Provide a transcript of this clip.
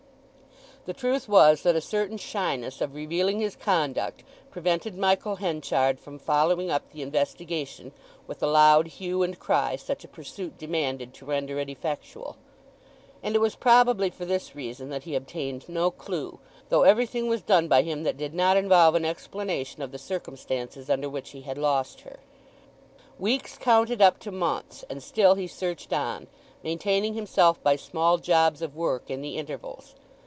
The truth was that a certain shyness of revealing his conduct prevented Michael Henchard from following up the investigation with the loud hue and cry such a pursuit demanded to render it effectual; and it was probably for this reason that he obtained no clue, though everything was done by him that did not involve an explanation of the circumstances under which he had lost her. Weeks counted up to months, and still he searched on, maintaining himself by small jobs of work in the intervals.